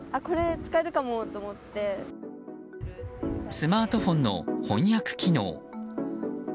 スマートフォンの翻訳機能。